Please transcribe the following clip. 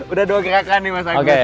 udah dua gerakan nih mas agus